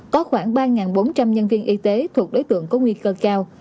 có khoảng ba bốn trăm linh nhân viên y tế thuộc đối tượng có nguy cơ cao